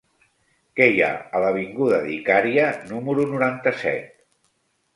Què hi ha a l'avinguda d'Icària número noranta-set?